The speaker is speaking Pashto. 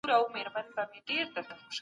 د معیاري ښوونځیو جوړول مهم دي.